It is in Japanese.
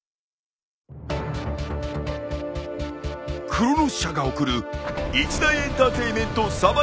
［クロノス社が送る一大エンターテインメントサバイバルゲーム］